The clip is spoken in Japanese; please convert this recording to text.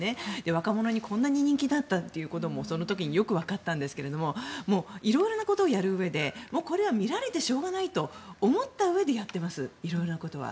若者にこんなに人気だったということもその時によくわかったんですが色々なことをやるうえでこれは見られてしょうがないと思ったうえでやってます色んなことは。